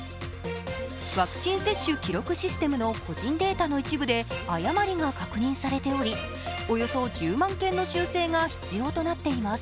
ワクチン接種記録システムの個人データの一部で誤りが確認されており、およそ１０万件の修正が必要となっています。